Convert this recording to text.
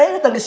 ya itu bisa